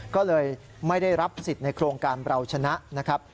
ก็เลยไม่ได้รับสิทธิ์ในโครงการเราชนะนะครับ